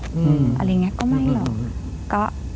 อะไรอย่างนี้ก็ไม่หรอก